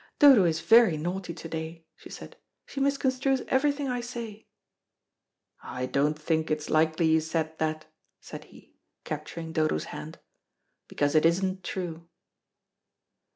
"Dodo is very naughty to day," she said. "She misconstrues everything I say." "I don't think it's likely you said that," said he, capturing Dodo's hand, "because it isn't true."